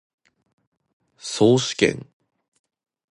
統帥権